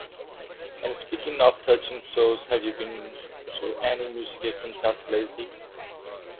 And speaking of touching souls, have you been to any musical concerts lately?